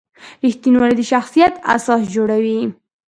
رښتینولي د شخصیت اساس جوړوي.